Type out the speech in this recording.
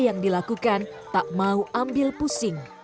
yang dilakukan tak mau ambil pusing